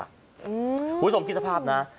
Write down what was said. คุณผู้ชมคิดสภาพนะ